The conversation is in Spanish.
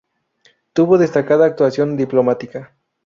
Tuvo destacada actuación diplomática.